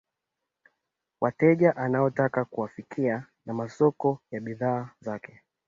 Wateja anaotaka kuwafikia na masoko ya bidhaa zake